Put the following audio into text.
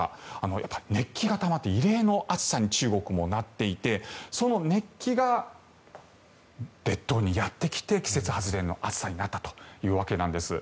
やっぱり熱気がたまって異例の暑さに中国もなっていてその熱気が列島にやってきて季節外れの暑さになったというわけなんです。